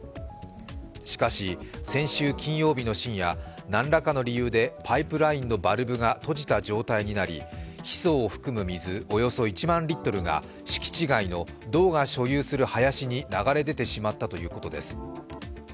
しかし、先週金曜日の深夜、何らかの理由でパイプラインのバルブが閉じた状態になりヒ素を含む水およそ１万リットルが敷地外の道が所有する林に流れ出てしまったということです。